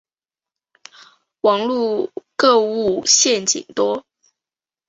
网路购物陷阱多